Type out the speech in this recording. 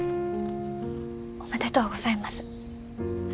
おめでとうございます。